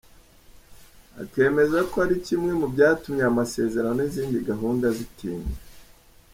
Akemeza ko ari kimwe mu byatumye aya masezerano n’izindi gahunda zitinda.